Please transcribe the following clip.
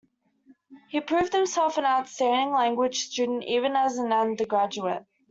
He proved himself an outstanding language student even as an undergraduate.